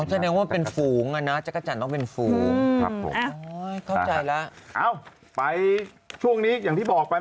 ว่าอันพ่อผมเลยนะพัทหลุง